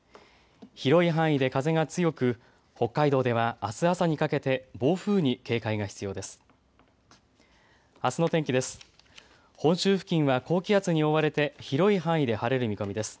広い範囲で風が強く北海道ではあす朝にかけて暴風に警戒が必要です。